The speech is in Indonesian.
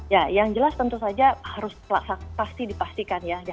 ya yang jelas tentu saja harus pasti dipastikan ya